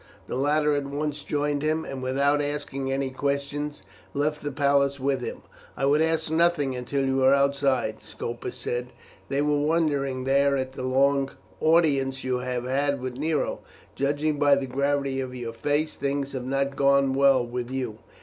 The latter at once joined him, and without asking any questions left the palace with him. "I would ask nothing until you were outside," Scopus said. "They were wondering there at the long audience you have had with Nero. Judging by the gravity of your face, things have not gone well with you."